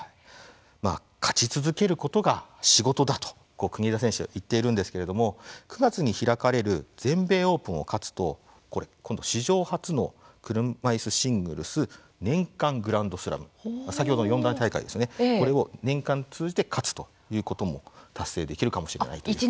勝ち続けることが仕事だと国枝選手は言っているんですけれども９月に開かれる全米オープンを勝つと今度、史上初の車いすシングルス年間グランドスラム先ほどの四大大会ですね、これを年間通じて勝つということも達成できるかもしれないという。